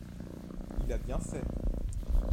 Il a bien fait !…